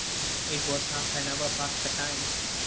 It was half an hour past the time.